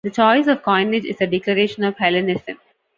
The choice of coinage is a declaration of Hellenism.